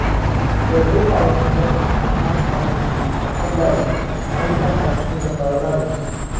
زۆربەی باڵوێزخانە و کونسوڵخانەکان ستافە ناپێوستیەکانی لابردووە، وە هەندێکیان کارکردنی بە تەواوی ڕاگرتووە.